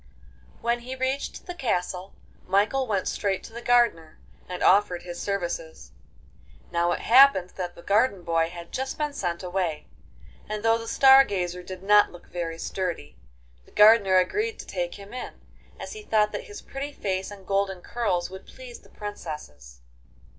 IV When he reached the castle, Michael went straight to the gardener and offered his services. Now it happened that the garden boy had just been sent away, and though the Star Gazer did not look very sturdy, the gardener agreed to take him, as he thought that his pretty face and golden curls would please the princesses.